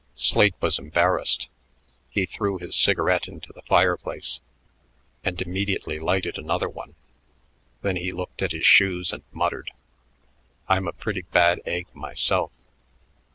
Slade was embarrassed. He threw his cigarette into the fireplace and immediately lighted another one. Then he looked at his shoes and muttered, "I'm a pretty bad egg myself."